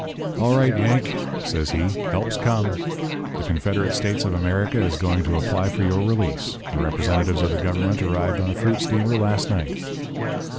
"'All right, Yank,' says he. 'Help's come. The Confederate States of America is going to apply for your release. The representatives of the government arrived on a fruit steamer last night.'